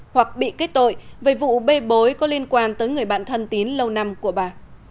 hoặc bị kết tội về vụ bê bối có liên quan tới người bạn thân tín lâu năm của bà